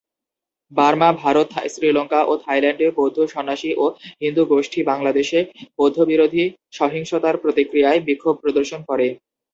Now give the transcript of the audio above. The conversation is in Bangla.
বার্মা, ভারত, শ্রীলঙ্কা, ও থাইল্যান্ডে বৌদ্ধ সন্ন্যাসী ও হিন্দু গোষ্ঠী বাংলাদেশে বৌদ্ধ-বিরোধী সহিংসতার প্রতিক্রিয়ায় বিক্ষোভ প্রদর্শন করে।